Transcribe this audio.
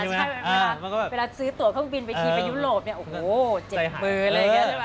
ใช่มันก็แบบเวลาซื้อตัวข้องบินไปทีนไปยุโรปเนี่ยโอ้โหเจ็บมือเลยเนี่ยใช่ปะ